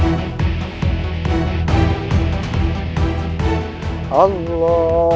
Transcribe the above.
allah allah allah